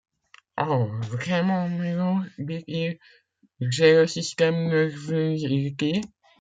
Ah! vraiment, mylord, dit-il, j’ai le système nerveux irrité?